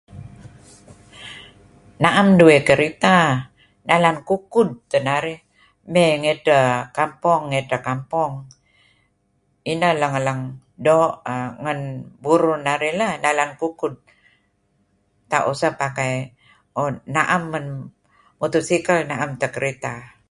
Na'em duih kereta nalan kukud teh narih mey ngi edtah kampung mey edtah kampung, ineh leng-leng err doo' ngen burur narih lah, nalan kukud. Tak usah oo na'em men motorsikal, na'em teh kereta.